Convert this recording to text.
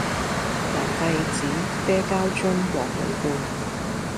藍廢紙啡膠樽黃鋁罐